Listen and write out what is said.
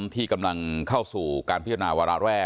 ที่กำลังเข้าสู่การพิจารณาไว้